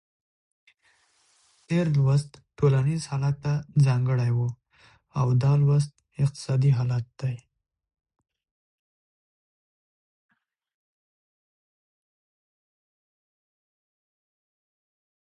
تېر لوست ټولنیز حالت ته ځانګړی و او دا لوست اقتصادي حالت ته دی.